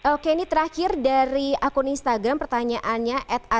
oke ini terakhir dari akun instagram pertanyaannya